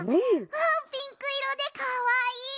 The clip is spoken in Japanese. ピンクいろでかわいい！